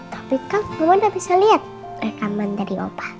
tapi kan mama udah bisa liat rekaman dari opa